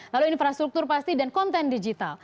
lalu infrastruktur pasti dan konten digital